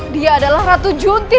dia adalah ratu junti